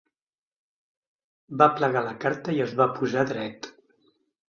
Va plegar la carta i es va posar dret.